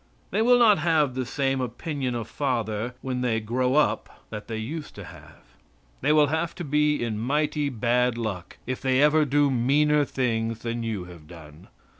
They will not have the same opinion of father when they grow up that they used to have. They will have to be in mighty bad luck if they ever do meaner things than you have done.